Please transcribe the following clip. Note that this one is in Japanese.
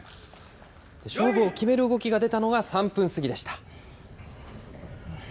勝負を決める動きが出たのが３分過ぎでした。